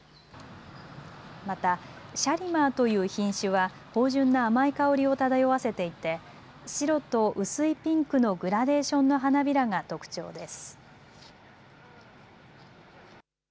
また、シャリマーという品種は芳じゅんな甘い香りを漂わせていて白と薄いピンクのグラデーションの花びらが特徴です。